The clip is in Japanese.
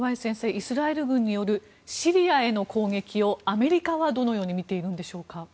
イスラエル軍によるシリアへの攻撃をアメリカはどのように見ているんでしょうか。